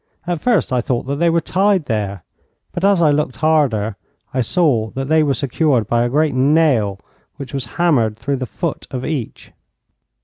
At first I thought that they were tied there, but as I looked harder I saw that they were secured by a great nail which was hammered through the foot of each.